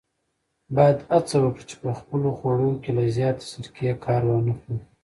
باید هڅه وکړو چې په خپلو خوړو کې له زیاتې سرکې کار وانخلو.